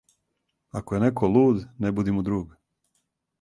Ако је неко луд, не буди му друг.